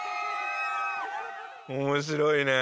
面白いね。